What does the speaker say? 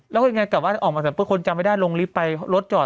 แล้วก็ยังไงกลับว่าออกมาสำหรับคนจำไม่ได้ลงลิฟท์ไปรถจอด